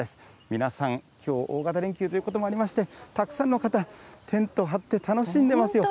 皆さん、きょう、大型連休ということもありまして、たくさんの方、テント張って楽しんでますよ。